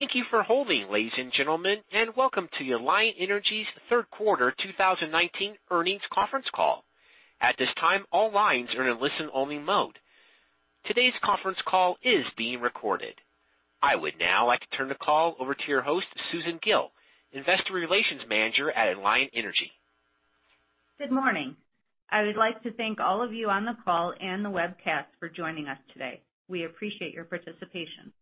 Thank you for holding, ladies and gentlemen, and welcome to Alliant Energy's third quarter 2019 earnings conference call. At this time, all lines are in listen-only mode. Today's conference call is being recorded. I would now like to turn the call over to your host, Susan Gille, investor relations manager at Alliant Energy. Good morning. I would like to thank all of you on the call and the webcast for joining us today. We appreciate your participation.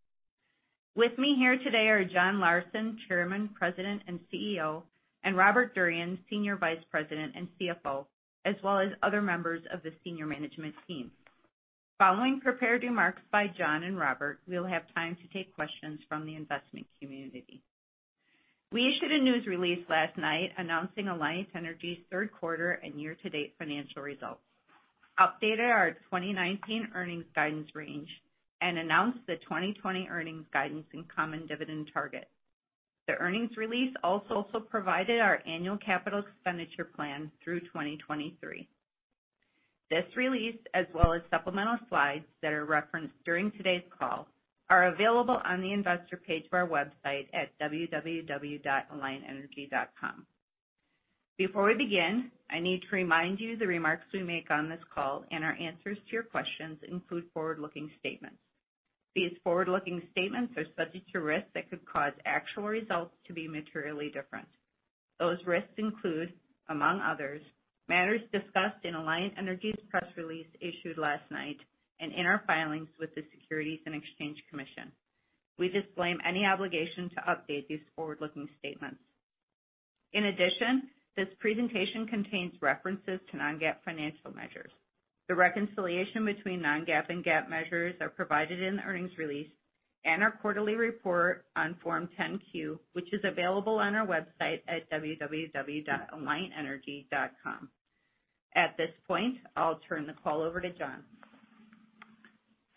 With me here today are John Larsen, Chairman, President, and CEO, and Robert Durian, Senior Vice President and CFO, as well as other members of the senior management team. Following prepared remarks by John and Robert, we'll have time to take questions from the investment community. We issued a news release last night announcing Alliant Energy's third quarter and year-to-date financial results, updated our 2019 earnings guidance range, and announced the 2020 earnings guidance and common dividend target. The earnings release also provided our annual capital expenditure plan through 2023. This release, as well as supplemental slides that are referenced during today's call, are available on the investor page of our website at www.alliantenergy.com. Before we begin, I need to remind you the remarks we make on this call and our answers to your questions include forward-looking statements. These forward-looking statements are subject to risks that could cause actual results to be materially different. Those risks include, among others, matters discussed in Alliant Energy's press release issued last night and in our filings with the Securities & Exchange Commission. We disclaim any obligation to update these forward-looking statements. In addition, this presentation contains references to non-GAAP financial measures. The reconciliation between non-GAAP and GAAP measures are provided in the earnings release and our quarterly report on Form 10-Q, which is available on our website at www.alliantenergy.com. At this point, I'll turn the call over to John.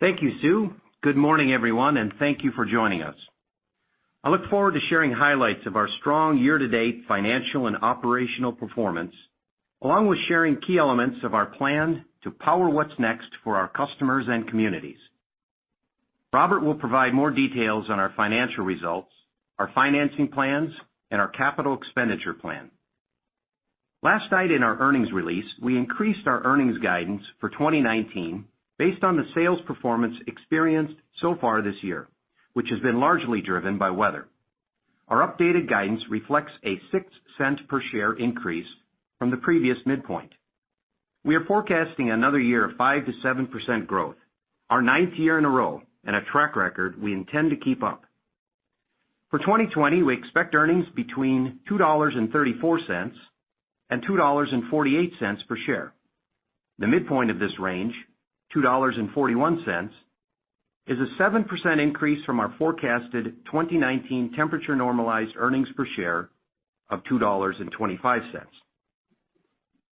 Thank you, Sue. Good morning, everyone, and thank you for joining us. I look forward to sharing highlights of our strong year-to-date financial and operational performance, along with sharing key elements of our plan to power what's next for our customers and communities. Robert will provide more details on our financial results, our financing plans, and our capital expenditure plan. Last night in our earnings release, we increased our earnings guidance for 2019 based on the sales performance experienced so far this year, which has been largely driven by weather. Our updated guidance reflects a $0.06 per share increase from the previous midpoint. We are forecasting another year of 5%-7% growth, our ninth year in a row, and a track record we intend to keep up. For 2020, we expect earnings between $2.34 and $2.48 per share. The midpoint of this range, $2.41, is a 7% increase from our forecasted 2019 temperature-normalized earnings per share of $2.25.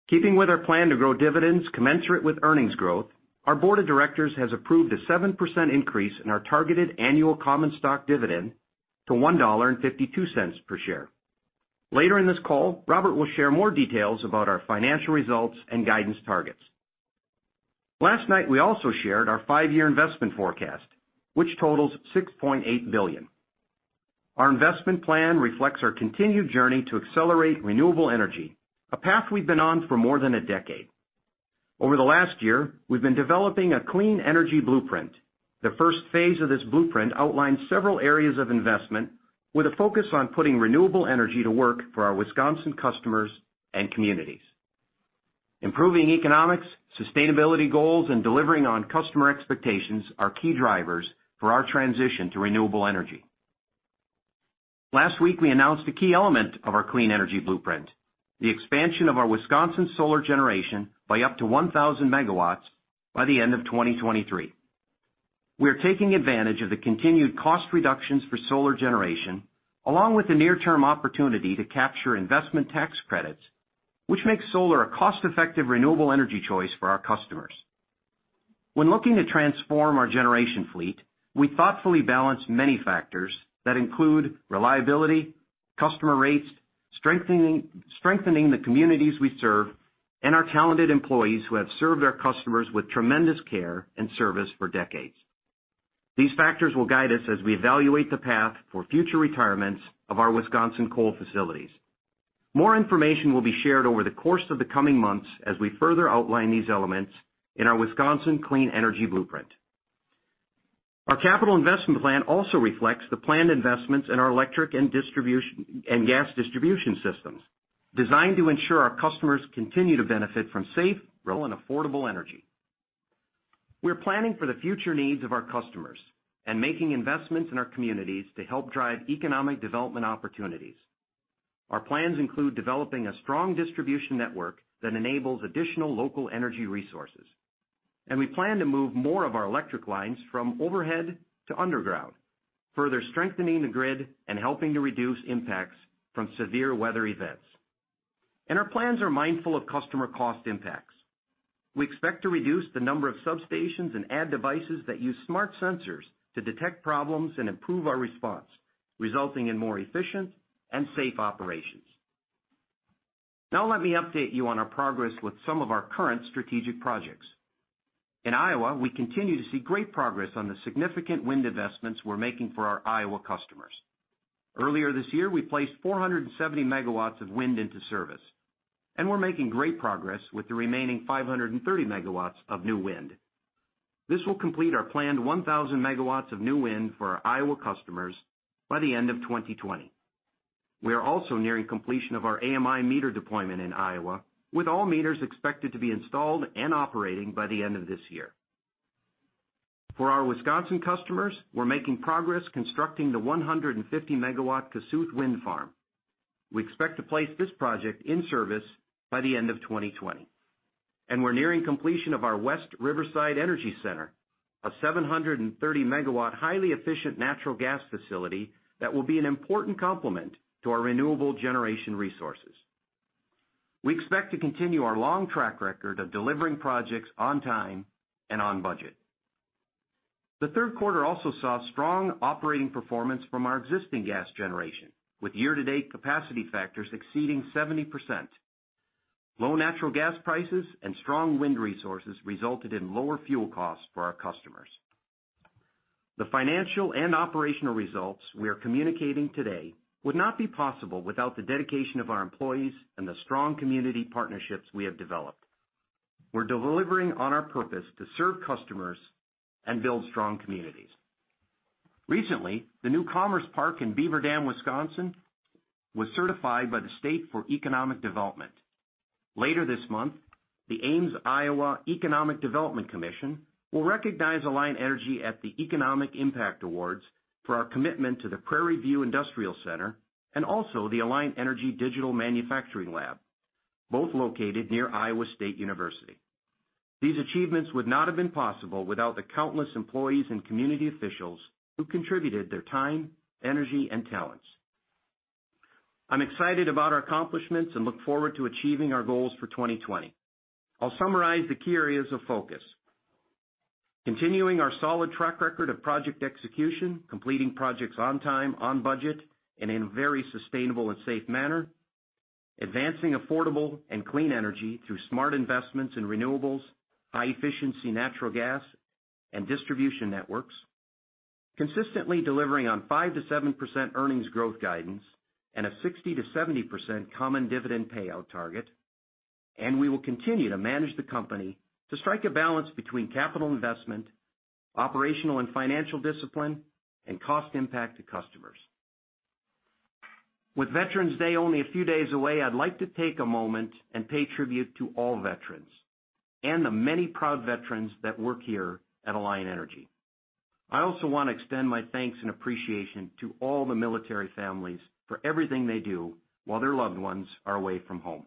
Keeping with our plan to grow dividends commensurate with earnings growth, our board of directors has approved a 7% increase in our targeted annual common stock dividend to $1.52 per share. Later in this call, Robert will share more details about our financial results and guidance targets. Last night, we also shared our five-year investment forecast, which totals $6.8 billion. Our investment plan reflects our continued journey to accelerate renewable energy, a path we've been on for more than a decade. Over the last year, we've been developing a Clean Energy Blueprint. The first phase of this Clean Energy Blueprint outlines several areas of investment with a focus on putting renewable energy to work for our Wisconsin customers and communities. Improving economics, sustainability goals, and delivering on customer expectations are key drivers for our transition to renewable energy. Last week, we announced a key element of our Clean Energy Blueprint, the expansion of our Wisconsin solar generation by up to 1,000 megawatts by the end of 2023. We are taking advantage of the continued cost reductions for solar generation, along with the near-term opportunity to capture investment tax credits, which makes solar a cost-effective renewable energy choice for our customers. When looking to transform our generation fleet, we thoughtfully balance many factors that include reliability, customer rates, strengthening the communities we serve, and our talented employees who have served our customers with tremendous care and service for decades. These factors will guide us as we evaluate the path for future retirements of our Wisconsin coal facilities. More information will be shared over the course of the coming months as we further outline these elements in our Wisconsin Clean Energy Blueprint. Our capital investment plan also reflects the planned investments in our electric and gas distribution systems, designed to ensure our customers continue to benefit from safe, reliable, and affordable energy. We're planning for the future needs of our customers and making investments in our communities to help drive economic development opportunities. Our plans include developing a strong distribution network that enables additional local energy resources. We plan to move more of our electric lines from overhead to underground, further strengthening the grid and helping to reduce impacts from severe weather events. Our plans are mindful of customer cost impacts. We expect to reduce the number of substations and add devices that use smart sensors to detect problems and improve our response, resulting in more efficient and safe operations. Let me update you on our progress with some of our current strategic projects. In Iowa, we continue to see great progress on the significant wind investments we're making for our Iowa customers. Earlier this year, we placed 470 megawatts of wind into service, and we're making great progress with the remaining 530 megawatts of new wind. This will complete our planned 1,000 megawatts of new wind for our Iowa customers by the end of 2020. We are also nearing completion of our AMI meter deployment in Iowa, with all meters expected to be installed and operating by the end of this year. For our Wisconsin customers, we're making progress constructing the 150-megawatt Kossuth wind farm. We expect to place this project in service by the end of 2020. We're nearing completion of our West Riverside Energy Center, a 730-megawatt, highly efficient natural gas facility that will be an important complement to our renewable generation resources. We expect to continue our long track record of delivering projects on time and on budget. The third quarter also saw strong operating performance from our existing gas generation, with year-to-date capacity factors exceeding 70%. Low natural gas prices and strong wind resources resulted in lower fuel costs for our customers. The financial and operational results we are communicating today would not be possible without the dedication of our employees and the strong community partnerships we have developed. We're delivering on our purpose to serve customers and build strong communities. Recently, the new Commerce Park in Beaver Dam, Wisconsin, was certified by the state for economic development. Later this month, the Ames Economic Development Commission will recognize Alliant Energy at the Economic Impact Awards for our commitment to the Prairie View Industrial Center and also the Alliant Energy Digital Manufacturing Lab, both located near Iowa State University. These achievements would not have been possible without the countless employees and community officials who contributed their time, energy, and talents. I'm excited about our accomplishments and look forward to achieving our goals for 2020. I'll summarize the key areas of focus. Continuing our solid track record of project execution, completing projects on time, on budget, and in a very sustainable and safe manner. Advancing affordable and clean energy through smart investments in renewables, high-efficiency natural gas, and distribution networks. Consistently delivering on 5%-7% earnings growth guidance and a 60%-70% common dividend payout target. We will continue to manage the company to strike a balance between capital investment, operational and financial discipline, and cost impact to customers. With Veterans Day only a few days away, I'd like to take a moment and pay tribute to all veterans and the many proud veterans that work here at Alliant Energy. I also want to extend my thanks and appreciation to all the military families for everything they do while their loved ones are away from home.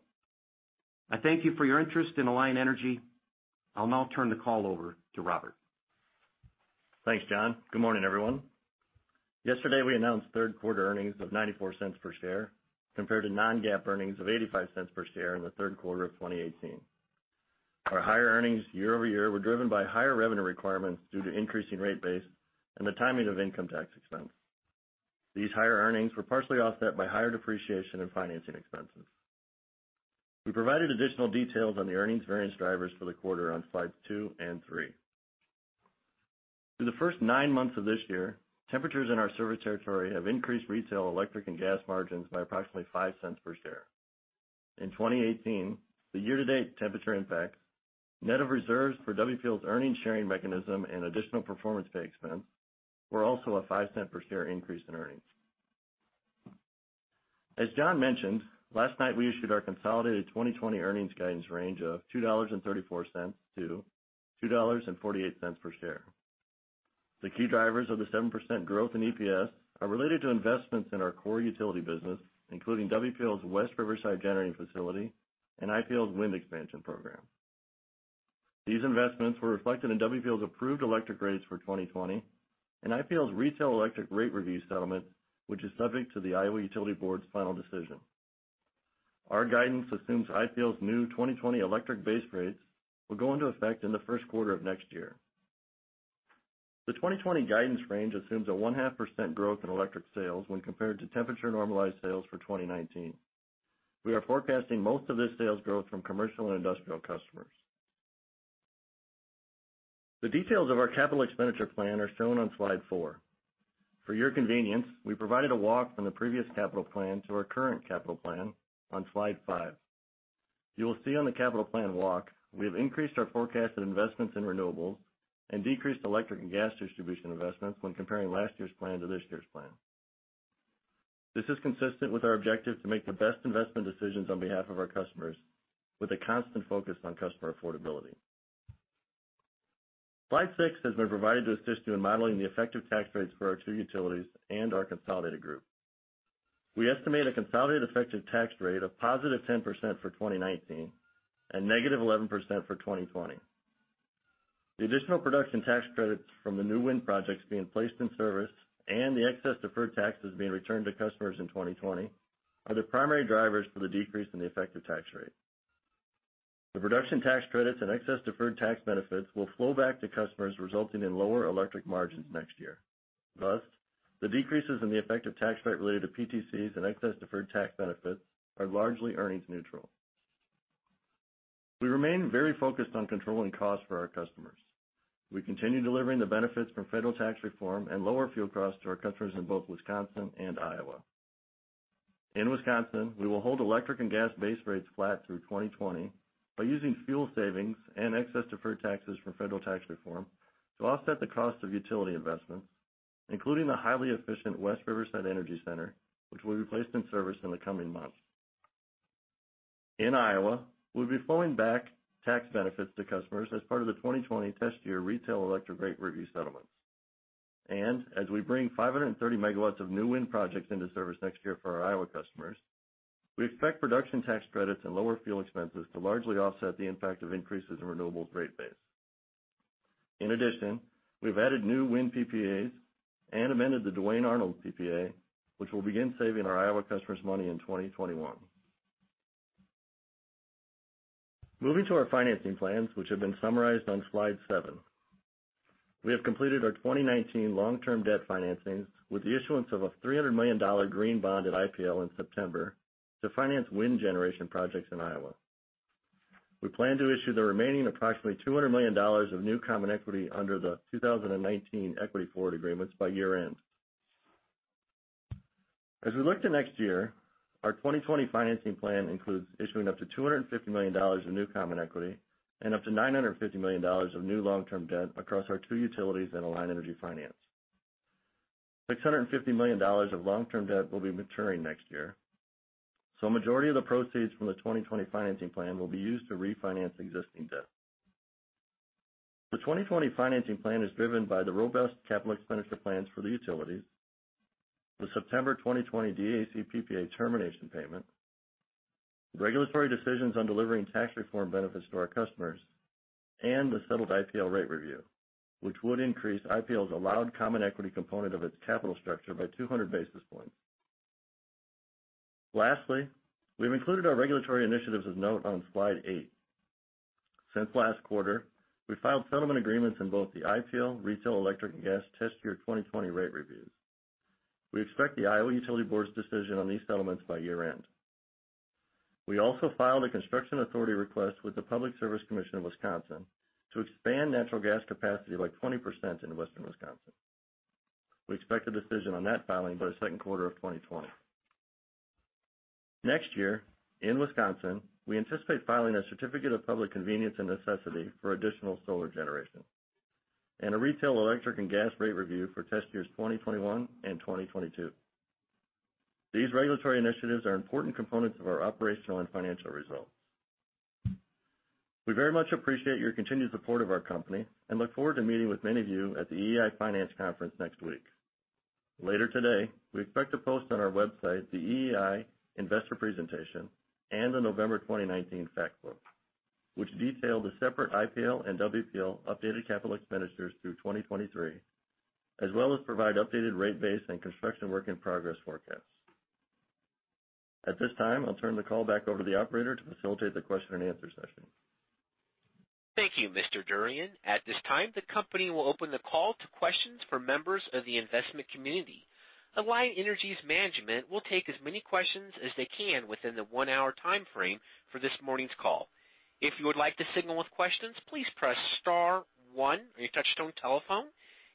I thank you for your interest in Alliant Energy. I'll now turn the call over to Robert. Thanks, John. Good morning, everyone. Yesterday, we announced third-quarter earnings of $0.94 per share compared to non-GAAP earnings of $0.85 per share in the third quarter of 2018. Our higher earnings year-over-year were driven by higher revenue requirements due to increasing rate base and the timing of income tax expense. These higher earnings were partially offset by higher depreciation and financing expenses. We provided additional details on the earnings variance drivers for the quarter on slides two and three. Through the first nine months of this year, temperatures in our service territory have increased retail electric and gas margins by approximately $0.05 per share. In 2018, the year-to-date temperature impact, net of reserves for WPL's earnings sharing mechanism and additional performance pay expense, were also a $0.05-per-share increase in earnings. As John mentioned, last night we issued our consolidated 2020 earnings guidance range of $2.34 to $2.48 per share. The key drivers of the 7% growth in EPS are related to investments in our core utility business, including WPL's West Riverside generating facility and IPL's wind expansion program. These investments were reflected in WPL's approved electric rates for 2020 and IPL's retail electric rate review settlement, which is subject to the Iowa Utilities Board's final decision. Our guidance assumes IPL's new 2020 electric base rates will go into effect in the first quarter of next year. The 2020 guidance range assumes a 1.5% growth in electric sales when compared to temperature-normalized sales for 2019. We are forecasting most of this sales growth from commercial and industrial customers. The details of our capital expenditure plan are shown on slide four. For your convenience, we provided a walk from the previous capital plan to our current capital plan on slide five. You will see on the capital plan walk, we have increased our forecasted investments in renewables and decreased electric and gas distribution investments when comparing last year's plan to this year's plan. This is consistent with our objective to make the best investment decisions on behalf of our customers with a constant focus on customer affordability. Slide six has been provided to assist you in modeling the effective tax rates for our two utilities and our consolidated group. We estimate a consolidated effective tax rate of +10% for 2019 and -11% for 2020. The additional production tax credits from the new wind projects being placed in service and the excess deferred taxes being returned to customers in 2020 are the primary drivers for the decrease in the effective tax rate. The production tax credits and excess deferred tax benefits will flow back to customers, resulting in lower electric margins next year. The decreases in the effective tax rate related to PTCs and excess deferred tax benefits are largely earnings neutral. We remain very focused on controlling costs for our customers. We continue delivering the benefits from federal tax reform and lower fuel costs to our customers in both Wisconsin and Iowa. In Wisconsin, we will hold electric and gas base rates flat through 2020 by using fuel savings and excess deferred taxes from federal tax reform to offset the cost of utility investments, including the highly efficient West Riverside Energy Center, which will be placed in service in the coming months. In Iowa, we'll be flowing back tax benefits to customers as part of the 2020 test-year retail electric rate review settlement. As we bring 530 MW of new wind projects into service next year for our Iowa customers, we expect production tax credits and lower fuel expenses to largely offset the impact of increases in renewables rate base. In addition, we've added new wind PPAs and amended the Duane Arnold PPA, which will begin saving our Iowa customers money in 2021. Moving to our financing plans, which have been summarized on slide seven. We have completed our 2019 long-term debt financings with the issuance of a $300 million green bond at IPL in September to finance wind generation projects in Iowa. We plan to issue the remaining approximately $200 million of new common equity under the 2019 equity forward agreements by year-end. As we look to next year, our 2020 financing plan includes issuing up to $250 million of new common equity and up to $950 million of new long-term debt across our two utilities and Alliant Energy Finance. $650 million of long-term debt will be maturing next year, so a majority of the proceeds from the 2020 financing plan will be used to refinance existing debt. The 2020 financing plan is driven by the robust capital expenditure plans for the utilities, the September 2020 DAEC PPA termination payment, regulatory decisions on delivering tax reform benefits to our customers, and the settled IPL rate review, which would increase IPL's allowed common equity component of its capital structure by 200 basis points. We've included our regulatory initiatives of note on slide eight. Since last quarter, we filed settlement agreements in both the IPL retail electric and gas Test Year 2020 rate reviews. We expect the Iowa Utilities Board's decision on these settlements by year-end. We also filed a construction authority request with the Public Service Commission of Wisconsin to expand natural gas capacity by 20% in western Wisconsin. We expect a decision on that filing by the second quarter of 2020. Next year, in Wisconsin, we anticipate filing a certificate of public convenience and necessity for additional solar generation and a retail electric and gas rate review for test years 2021 and 2022. These regulatory initiatives are important components of our operational and financial results. We very much appreciate your continued support of our company and look forward to meeting with many of you at the EEI Financial Conference next week. Later today, we expect to post on our website the EEI investor presentation and the November 2019 fact book, which detail the separate IPL and WPL updated capital expenditures through 2023, as well as provide updated rate base and construction work in progress forecasts. At this time, I'll turn the call back over to the operator to facilitate the question and answer session. Thank you, Mr. Durian. At this time, the company will open the call to questions for members of the investment community. Alliant Energy's management will take as many questions as they can within the one-hour timeframe for this morning's call. If you would like to signal with questions, please press star one on your touch-tone telephone.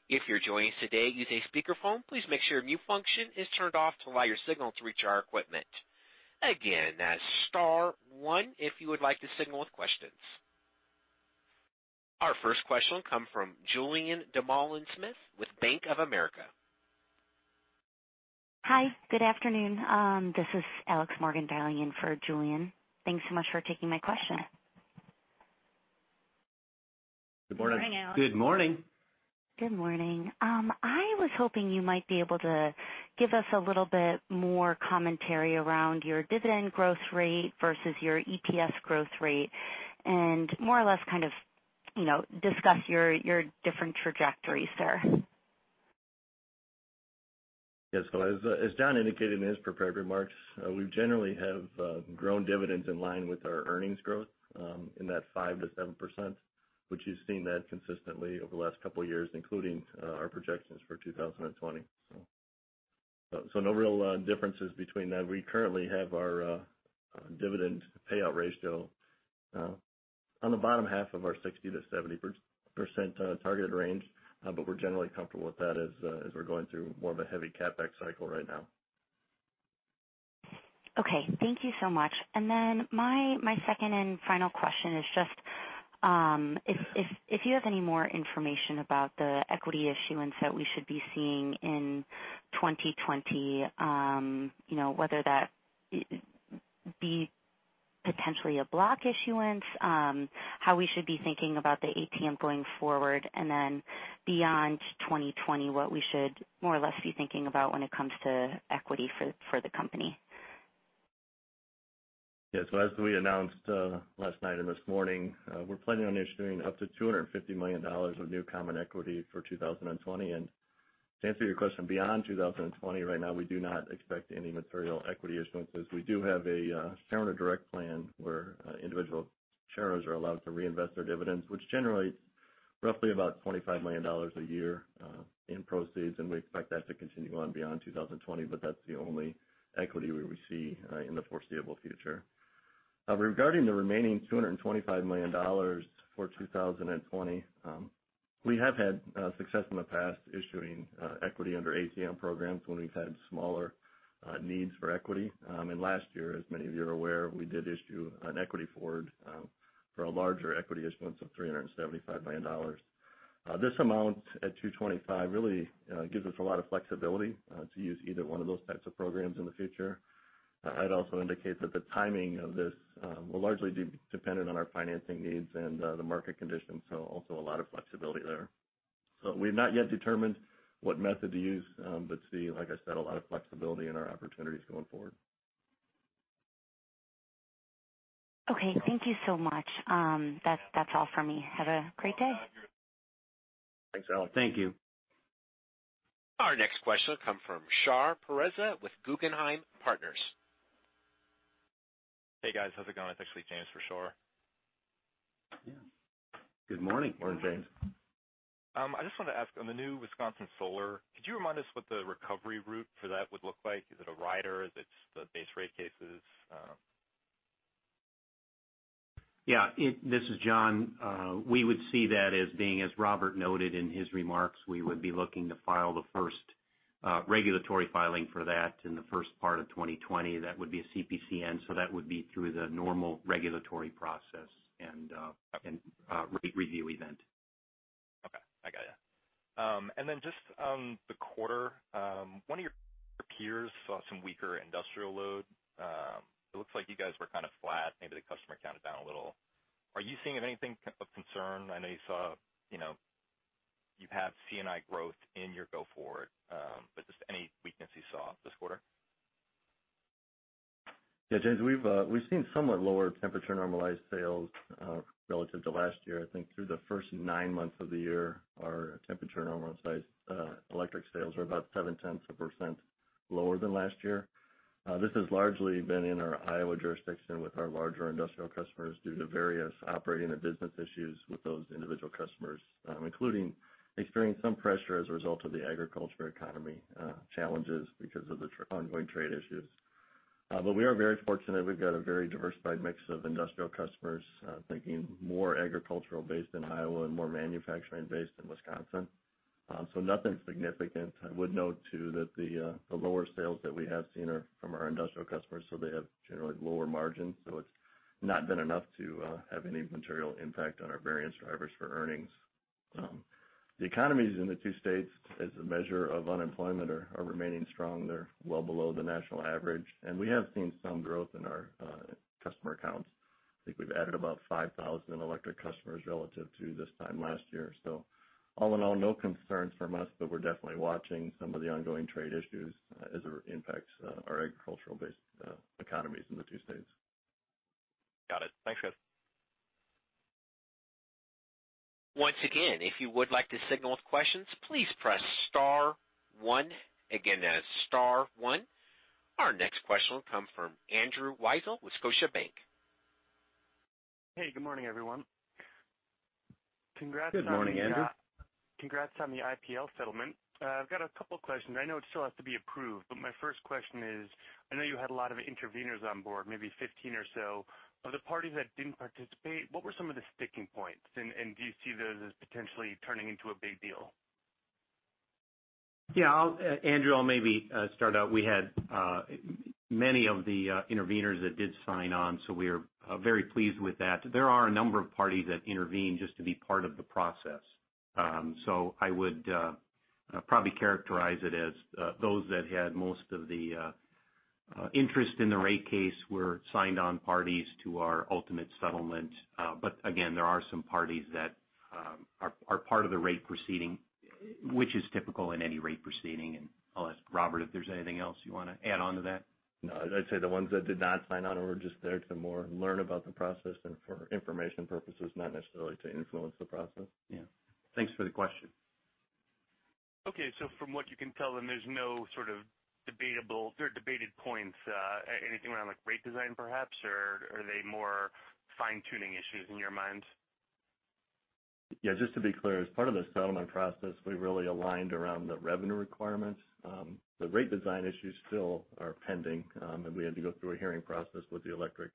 If you're joining us today using a speakerphone, please make sure mute function is turned off to allow your signal to reach our equipment. Again, that's star one if you would like to signal with questions. Our first question will come from Julien Dumoulin-Smith with Bank of America. Hi, good afternoon. This is Alex Morgan dialing in for Julian. Thanks so much for taking my question. Good morning. Good morning. Good morning. I was hoping you might be able to give us a little bit more commentary around your dividend growth rate versus your EPS growth rate, and more or less kind of discuss your different trajectories there. Yes. As John indicated in his prepared remarks, we generally have grown dividends in line with our earnings growth in that 5% to 7%, which you've seen that consistently over the last couple of years, including our projections for 2020. No real differences between that. We currently have our dividend payout ratio on the bottom half of our 60% to 70% targeted range, but we're generally comfortable with that as we're going through more of a heavy CapEx cycle right now. Okay. Thank you so much. My second and final question is just if you have any more information about the equity issuance that we should be seeing in 2020, whether that be potentially a block issuance, how we should be thinking about the ATM going forward, and then beyond 2020, what we should more or less be thinking about when it comes to equity for the company. As we announced last night and this morning, we're planning on issuing up to $250 million of new common equity for 2020. To answer your question, beyond 2020, right now, we do not expect any material equity issuance. We do have a shareholder direct plan where individual shareholders are allowed to reinvest their dividends, which generates roughly about $25 million a year in proceeds, and we expect that to continue on beyond 2020. That's the only equity we receive in the foreseeable future. Regarding the remaining $225 million for 2020, we have had success in the past issuing equity under ATM programs when we've had smaller needs for equity. Last year, as many of you are aware, we did issue an equity forward for a larger equity issuance of $375 million. This amount at 225 really gives us a lot of flexibility to use either one of those types of programs in the future. I'd also indicate that the timing of this will largely be dependent on our financing needs and the market conditions, so also a lot of flexibility there. We've not yet determined what method to use. See, like I said, a lot of flexibility in our opportunities going forward. Okay, thank you so much. That's all for me. Have a great day. Thanks, Alex. Thank you. Our next question will come from Shar Pourreza with Guggenheim Partners. Hey, guys. How's it going? It's actually James Rashor. Good morning. Morning, James. I just wanted to ask, on the new Wisconsin solar, could you remind us what the recovery route for that would look like? Is it a rider? Is it the base rate cases? Yeah. This is John. We would see that as being, as Robert noted in his remarks, we would be looking to file the first regulatory filing for that in the first part of 2020. That would be a CPCN, so that would be through the normal regulatory process. Okay rate review event. Okay. I got you. Just on the quarter, one of your peers saw some weaker industrial load. It looks like you guys were kind of flat, maybe the customer counted down a little. Are you seeing anything of concern? I know you have C&I growth in your go forward, but just any weakness you saw this quarter? Yeah, James, we've seen somewhat lower temperature normalized sales relative to last year. I think through the first 9 months of the year, our temperature normalized electric sales were about 0.7% lower than last year. This has largely been in our Iowa jurisdiction with our larger industrial customers due to various operating and business issues with those individual customers, including experiencing some pressure as a result of the agricultural economy challenges because of the ongoing trade issues. We are very fortunate. We've got a very diversified mix of industrial customers, thinking more agricultural based in Iowa and more manufacturing based in Wisconsin. Nothing significant. I would note, too, that the lower sales that we have seen are from our industrial customers, so they have generally lower margins. It's not been enough to have any material impact on our variance drivers for earnings. The economies in the two states as a measure of unemployment are remaining strong. They're well below the national average. We have seen some growth in our customer counts. I think we've added about 5,000 electric customers relative to this time last year. All in all, no concerns from us, but we're definitely watching some of the ongoing trade issues as it impacts our agricultural-based economies in the two states. Got it. Thanks, guys. Once again, if you would like to signal with questions, please press star one. Again, that's star one. Our next question will come from Andrew Weisel with Scotiabank. Hey, good morning, everyone. Good morning, Andrew. Congrats on the IPL settlement. I've got a couple questions. I know it still has to be approved, but my first question is: I know you had a lot of interveners on board, maybe 15 or so. Of the parties that didn't participate, what were some of the sticking points? Do you see those as potentially turning into a big deal? Yeah, Andrew, I'll maybe start out. We had many of the interveners that did sign on, so we are very pleased with that. There are a number of parties that intervene just to be part of the process. I would probably characterize it as those that had most of the interest in the rate case were signed-on parties to our ultimate settlement. Again, there are some parties that are part of the rate proceeding, which is typical in any rate proceeding. I'll ask Robert if there's anything else you want to add on to that. No. I'd say the ones that did not sign on were just there to more learn about the process and for information purposes, not necessarily to influence the process. Yeah. Thanks for the question. From what you can tell, then there's no sort of debated points, anything around like rate design perhaps? Are they more fine-tuning issues in your mind? Just to be clear, as part of the settlement process, we really aligned around the revenue requirements. The rate design issues still are pending, and we had to go through a hearing process with the electric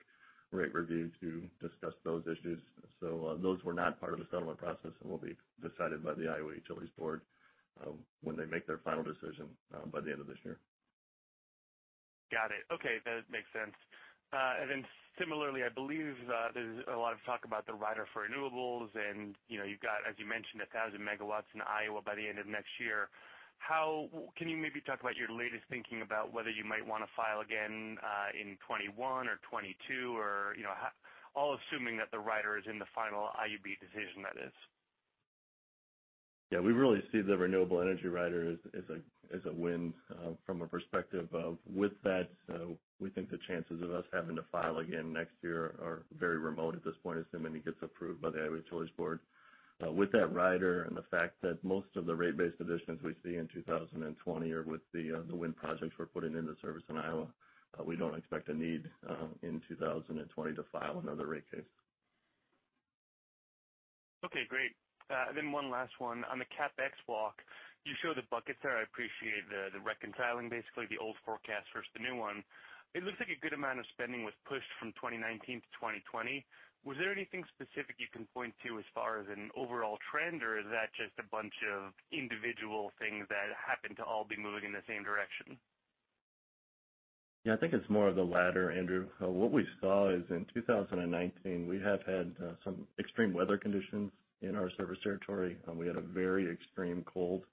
rate review to discuss those issues. Those were not part of the settlement process and will be decided by the Iowa Utilities Board when they make their final decision by the end of this year. Got it. Okay. That makes sense. Similarly, I believe there's a lot of talk about the rider for renewables, and you've got, as you mentioned, 1,000 megawatts in Iowa by the end of next year. Can you maybe talk about your latest thinking about whether you might want to file again in 2021 or 2022 or all assuming that the rider is in the final IUB decision, that is? Yeah. We really see the renewable energy rider as a win from a perspective of with that, we think the chances of us having to file again next year are very remote at this point, assuming it gets approved by the Iowa Utilities Board. With that rider and the fact that most of the rate base additions we see in 2020 are with the wind projects we're putting into service in Iowa, we don't expect a need in 2020 to file another rate case. Okay, great. One last one. On the CapEx walk, you show the buckets there. I appreciate the reconciling, basically the old forecast versus the new one. It looks like a good amount of spending was pushed from 2019 to 2020. Was there anything specific you can point to as far as an overall trend, or is that just a bunch of individual things that happen to all be moving in the same direction? Yeah, I think it's more of the latter, Andrew. What we saw is in 2019, we have had some extreme weather conditions in our service territory. We had a very extreme cold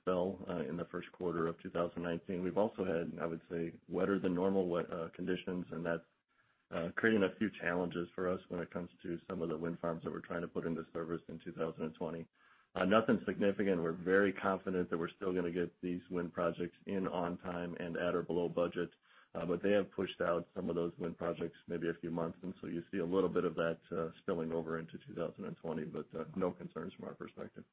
spell in the first quarter of 2019. We've also had, I would say, wetter than normal conditions, and that's creating a few challenges for us when it comes to some of the wind farms that we're trying to put into service in 2020. Nothing significant. We're very confident that we're still going to get these wind projects in on time and at or below budget. They have pushed out some of those wind projects maybe a few months, and so you see a little bit of that spilling over into 2020, but no concerns from our perspective.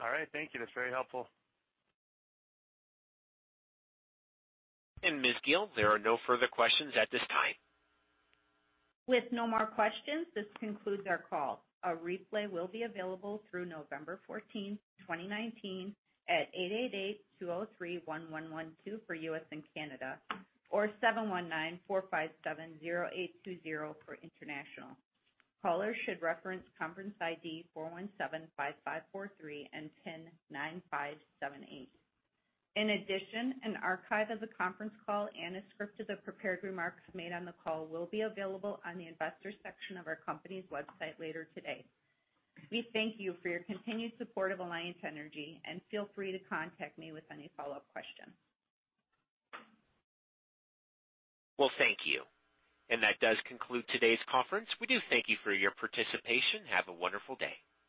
All right. Thank you. That's very helpful. Ms. Gille, there are no further questions at this time. With no more questions, this concludes our call. A replay will be available through November fourteenth, 2019, at 888-203-1112 for US and Canada or 719-457-0820 for international. Callers should reference conference ID 4175543 and PIN 9578. In addition, an archive of the conference call and a script of the prepared remarks made on the call will be available on the investors section of our company's website later today. We thank you for your continued support of Alliant Energy, and feel free to contact me with any follow-up questions. Well, thank you. That does conclude today's conference. We do thank you for your participation. Have a wonderful day.